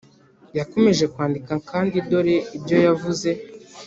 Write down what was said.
yakomeje kwandika kandi dore ibyo yavuze